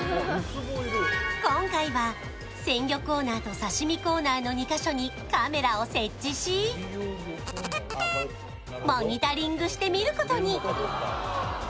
今回は鮮魚コーナーと刺身コーナーの２か所にカメラを設置し、モニタリングしてみることに。